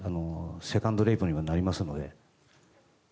セカンドレイプにもなりますので。